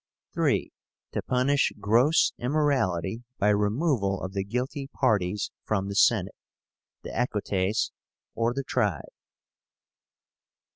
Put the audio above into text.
) (3) To punish gross immorality by removal of the guilty parties from the Senate, the Equites, or the tribe.